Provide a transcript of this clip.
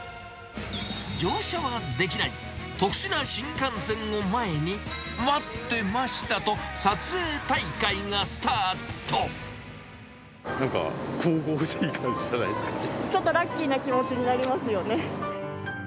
乗車はできない、特殊な新幹線を前に、待ってましたと、撮影大会なんか、神々しい感じじゃなちょっとラッキーな気持ちになりますよね。